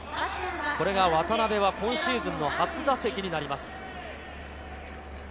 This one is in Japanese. これが渡辺が今シーズンの初打席になります。